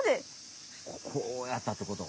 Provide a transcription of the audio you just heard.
こうやったってこと？